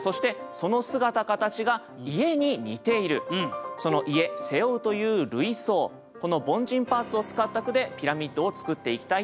今回はその「家」「背負う」という類想この凡人パーツを使った句でピラミッドを作っていきたいと思います。